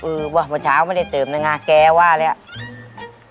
เออว่าเมื่อเช้าไม่ได้เติมนะง่าแกว่าเนี่ย